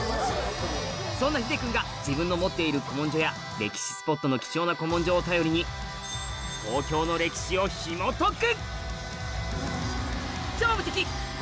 そんな秀君が自分の持っている古文書や歴史スポットの貴重な古文書を頼りに東京の歴史を紐解く